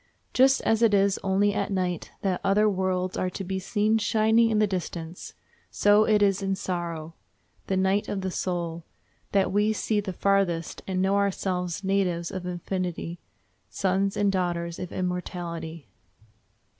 Just as it is only at night that other worlds are to be seen shining in the distance, so it is in sorrow—the night of the soul—that we see the farthest, and know ourselves natives of infinity, sons and daughters of immortality.